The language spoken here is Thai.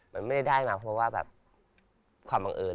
มันไม่ได้มาเพราะว่าแบบความบังเอิญ